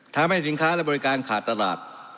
ทำให้สินค้าและบริการขาดตลาด